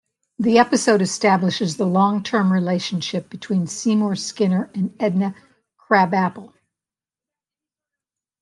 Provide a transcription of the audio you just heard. The episode establishes the long-term relationship between Seymour Skinner and Edna Krabappel.